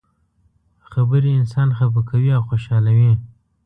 خبرې انسان خفه کوي او خوشحالوي.